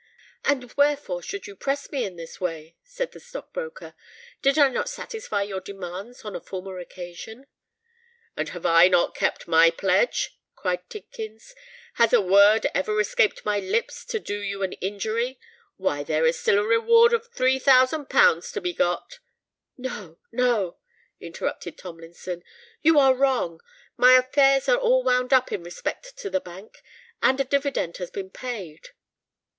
"But wherefore should you press me in this way?" said the stock broker. "Did I not satisfy your demands on a former occasion?" "And have I not kept my pledge?" cried Tidkins. "Has a word ever escaped my lips to do you an injury? Why, there is still a reward of three thousand pounds to be got——" "No—no," interrupted Tomlinson; "you are wrong. My affairs are all wound up in respect to the bank—and a dividend has been paid."